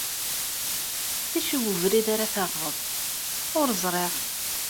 D acu n webrid ara taɣeḍ? Ur ẓriɣ.